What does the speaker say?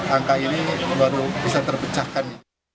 angka ini baru bisa terpecahkan